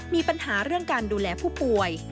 มีปัญหาเรื่องการดูแลผู้ป่วย